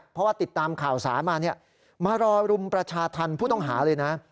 เพราะว่าติดตามข่าวสารมามารอรุมประชาธรรมผู้ต้องหาเลยนะ